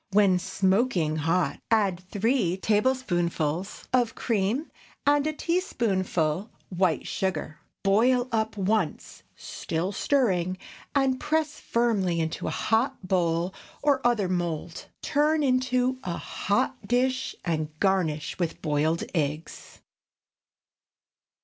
When smoking hot, add three tablespoonfuls of cream and a teaspoonful white sugar. Boil up once, still stirring, and press firmly into a hot bowl or other mould. Turn into a hot dish and garnish with boiled eggs.